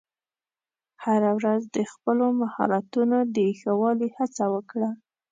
هره ورځ د خپلو مهارتونو د ښه والي هڅه وکړه.